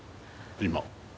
今。